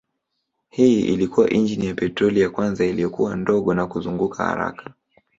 Hii ilikuwa injini ya petroli ya kwanza iliyokuwa ndogo na kuzunguka haraka.